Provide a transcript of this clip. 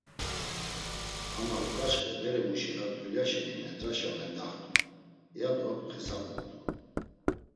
Ama uǩaçxe beremuşi ar dulya şeni mendraşa mendaxt̆u, yado xesabumt̆u.